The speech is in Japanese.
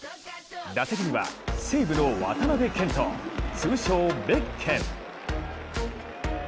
打席には西武の渡部健人、通称ベッケン。